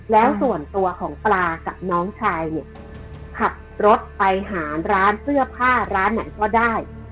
แล้วส่วนตัวของปลากับน้องชายเนี่ยขับรถไปหาร้านเสื้อผ้าร้านไหนก็ได้